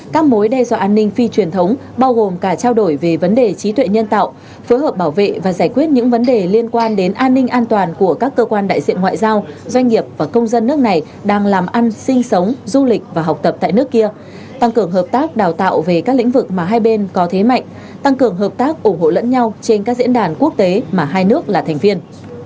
các mối đe dọa an ninh phi truyền thống bao gồm cả trao đổi về vấn đề trí tuệ nhân tạo phối hợp bảo vệ và giải quyết những vấn đề liên quan đến an ninh an toàn của các cơ quan đại diện ngoại giao doanh nghiệp và công dân nước này đang làm ăn sinh sống du lịch và học tập tại nước kia tăng cường hợp tác đào tạo về các lĩnh vực mà hai bên có thế mạnh tăng cường hợp tác ủng hộ lẫn nhau trên các diễn đàn quốc tế mà hai nước là thành viên